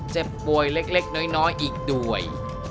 เจ็บป่วยเล็กน้อยอีกด้วย